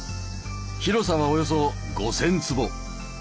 広さはおよそ５，０００坪。